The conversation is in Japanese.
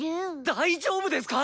大丈夫ですか？